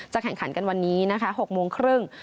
แข่งขันกันวันนี้นะคะ๖โมงครึ่ง